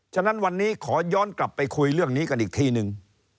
ฉะนั้นวันนี้ขอย้อนกลับไปคุยเรื่องนี้กันอีกทีนึง